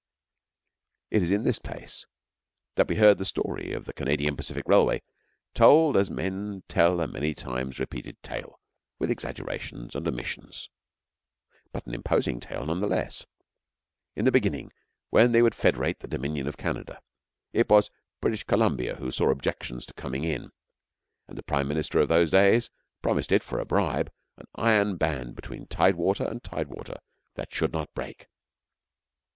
It is in this place that we heard the story of the Canadian Pacific Railway told as men tell a many times repeated tale, with exaggerations and omissions, but an imposing tale, none the less. In the beginning, when they would federate the Dominion of Canada, it was British Columbia who saw objections to coming in, and the Prime Minister of those days promised it for a bribe, an iron band between tidewater and tidewater that should not break.